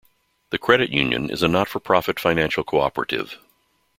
The credit union is a not-for-profit financial cooperative.